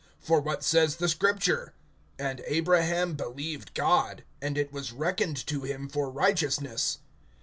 (3)For what says the Scripture? And Abraham believed God, and it was reckoned to him for righteousness.